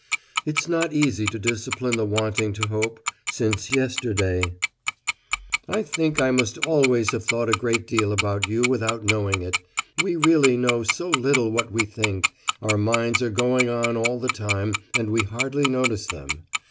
It's not easy to discipline the wanting to hope since yesterday! "I think I must always have thought a great deal about you without knowing it. We really know so little what we think: our minds are going on all the time and we hardly notice them.